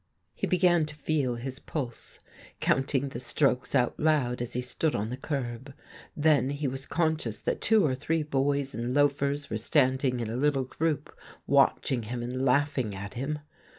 He began to feel his pulse, counting the strokes out loud as he stood on the kerb ; then he was conscious that two or three boys and loafers were standing in a little group watching him and laug!. iing at him.